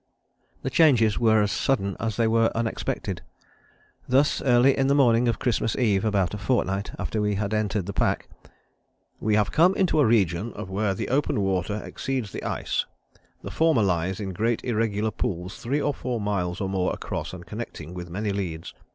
The changes were as sudden as they were unexpected. Thus early in the morning of Christmas Eve, about a fortnight after we had entered the pack, "we have come into a region of where the open water exceeds the ice; the former lies in great irregular pools three or four miles or more across and connecting with many leads.